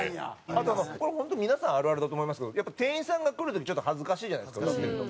あとこれ本当に皆さんあるあるだと思いますけど店員さんが来る時恥ずかしいじゃないですか歌ってると。